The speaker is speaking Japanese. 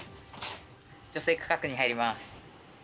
女性区画に入ります。